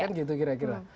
kan gitu kira kira